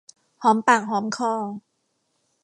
หอมปากหอมคอ